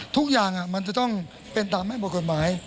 ทุกอย่างมันจะต้องเป็นตามแม่บทกฎหมาย